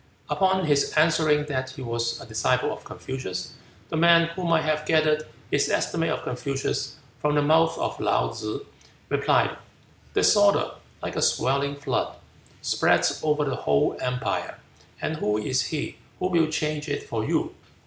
Upon his answering that he was a disciple of Confucius, the man, who might have gathered his estimate of Confucius from the mouth of Laou tsze, replied: "Disorder, like a swelling flood, spreads over the whole empire, and who is he who will change it for you?